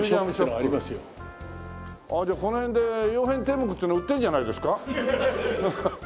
ああじゃあこの辺で「曜変天目」っていうの売ってるんじゃないですか？